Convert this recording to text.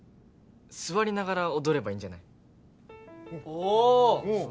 座りながら踊ればいいんじゃないおっ